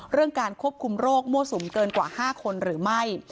เรื่องการควบคุมโรคโมสมเกินกว่าห้าคนหรือไม่